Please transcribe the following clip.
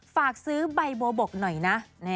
ฝากซื้อใบบัวบกหน่อยนะ